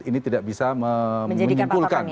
ini tidak bisa menyimpulkan